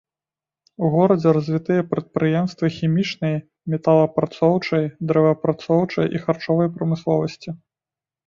У горадзе развітыя прадпрыемствы хімічнай, металаапрацоўчай, дрэваапрацоўчай і харчовай прамысловасці.